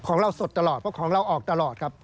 ของเราสดตลอดเพราะของเราออกตลอดครับ